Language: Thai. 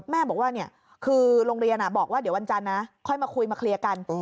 แม่บอกว่าคือโรงเรียนบอกว่าเดี๋ยววันจันทร์นะค่อยมาคุยมาเคลียร์กัน